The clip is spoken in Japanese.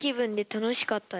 楽しかった。